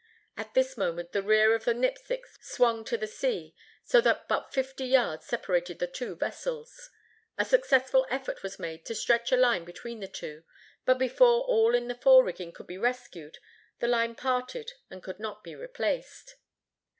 At this moment the rear of the Nipsic swung to the sea, so that but fifty yards separated the two vessels. A successful effort was made to stretch a line between the two; but before all in the fore rigging could be rescued, the line parted and could not be replaced.